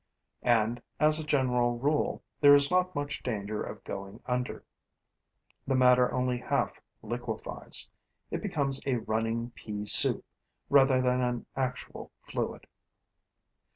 And, as a general rule, there is not much danger of going under: the matter only half liquefies; it becomes a running pea soup, rather than an actual fluid.